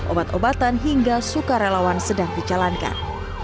obat obatan hingga sukarelawan sedang dijalankan